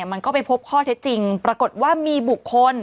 มันก็ไปพบข้อเท็จจริงปรากฏว่ามีบุคคล